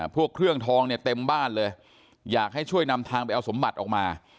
พวกเครื่องทองเนี่ยเต็มบ้านเลยอยากให้ช่วยนำทางไปเอาสมบัติออกมา